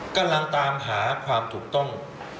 กำลังตามหาความถูกต้อง